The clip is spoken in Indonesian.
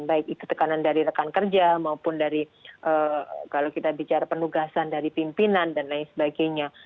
baik itu tekanan dari rekan kerja maupun dari kalau kita bicara penugasan dari pimpinan dan lain sebagainya